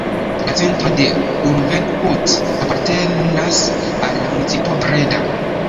La centro de Ulvenhout apartenas al la municipo Breda.